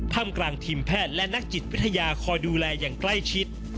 กลางทีมแพทย์และนักจิตวิทยาคอยดูแลอย่างใกล้ชิด